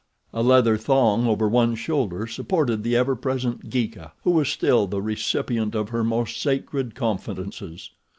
A leather thong over one shoulder supported the ever present Geeka who was still the recipient of her most sacred confidences.